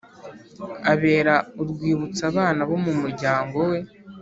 abera urwibutso abana bo mu muryango we.